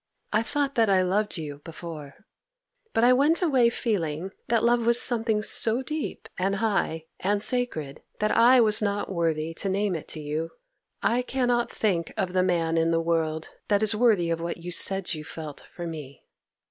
I thought that I loved you before; but I went away feeling that love was something so deep, and high, and sacred, that I was not worthy to name it to you; I cannot think of the man in the world that is worthy of what you said you felt for me.